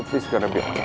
please karena biar biar